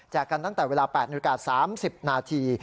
แจกกันตั้งแต่เวลา๘โอกาส๓๐นาที